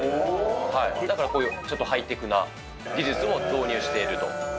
だからこういうちょっとハイテクな技術も導入していると。